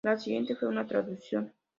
La siguiente fue una traducción